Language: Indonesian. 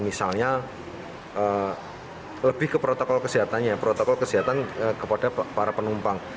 misalnya lebih ke protokol kesehatannya ya protokol kesehatan kepada para penumpang